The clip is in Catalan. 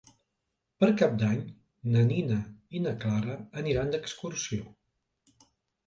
Per Cap d'Any na Nina i na Clara aniran d'excursió.